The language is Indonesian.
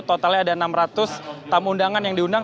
totalnya ada enam ratus tamu undangan yang diundang